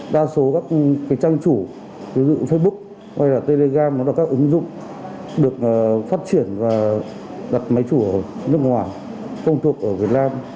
đa số các trang chủ ví dụ facebook hay là telegram hay là các ứng dụng được phát triển và đặt máy chủ ở nước ngoài công thuộc ở việt nam